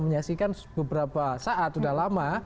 menyaksikan beberapa saat sudah lama